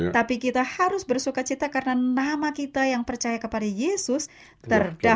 tapi kita harus bersuka cita karena nama kita yang percaya kepada yesus terdapat